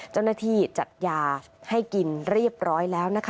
เจ้าหน้าที่จัดยาให้กินเรียบร้อยแล้วนะคะ